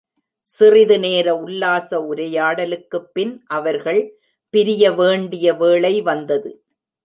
சிறிது நேர உல்லாச உரையாடலுக்குப்பின் அவர்கள் பிரியவேண்டிய வேளை வந்தது.